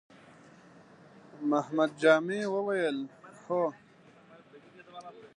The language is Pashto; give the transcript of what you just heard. محمد جامي وويل: هو!